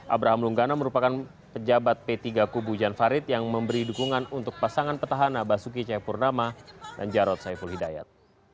abraham lunggana merupakan pejabat p tiga kubu jan farid yang memberi dukungan untuk pasangan petahana basuki cayapurnama dan jarod saiful hidayat